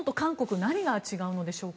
何が違うのでしょうか。